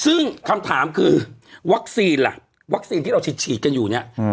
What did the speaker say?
ซึ่งคำถามคือวัคซีนล่ะวัคซีนที่เราฉีดกันอยู่เนี่ย